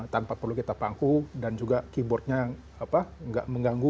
tanpa perlu kita pangku dan juga keyboardnya nggak mengganggu